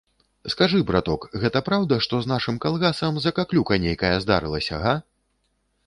Скажы, браток, гэта праўда, што з нашым калгасам закаклюка нейкая здарылася, га?